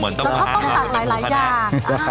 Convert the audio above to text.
แล้วก็ต้องสั่งหลายอย่าง